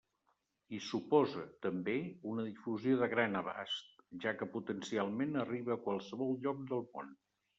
I suposa, també, una difusió de gran abast, ja que potencialment arriba a qualsevol lloc del món.